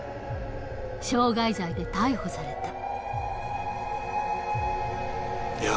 傷害罪で逮捕された。